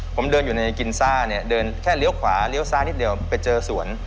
ผมเดินอยู่ในกินซ่าเนี่ยเดินแค่เลี้ยวขวาเลี้ยวซ่านิดเดียวไปเจอสวน